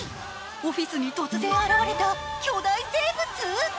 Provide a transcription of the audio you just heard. オフィスに突然現れた巨大生物？